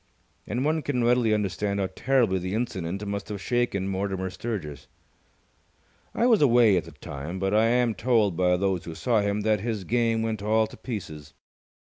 And one can readily understand how terribly the incident must have shaken Mortimer Sturgis. I was away at the time, but I am told by those who saw him that his game went all to pieces.